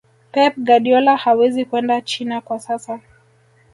pep guardiola hawezi kwenda china kwa sasa